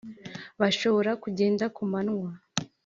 bashobore kugenda ku manywa